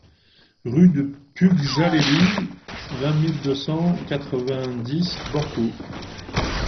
Rue de Pughjalellu, vingt mille deux cent quatre-vingt-dix Borgo